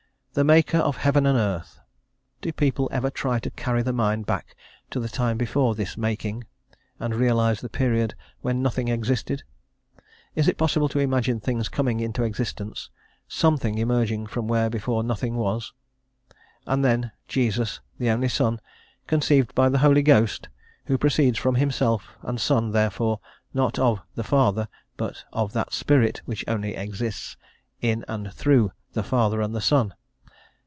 "The maker of heaven and earth." Do people ever try to carry the mind back to the time before this "making," and realise the period when nothing existed? Is it possible to imagine things coming into existence, "something" emerging from where before "nothing" was? And then Jesus, the only Son, conceived by the Holy Ghost, who proceeds from Himself, and son, therefore, not of "the Father," but of that spirit which only exists in and through "the Father and the Son."